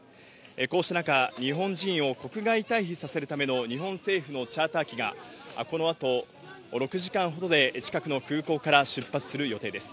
こうした中、日本人を国外退避させるための日本政府のチャーター機が、このあと、６時間ほどで近くの空港から出発する予定です。